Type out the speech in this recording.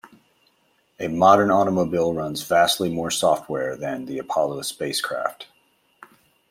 A modern automobile runs vastly more "software" than the Apollo spacecraft.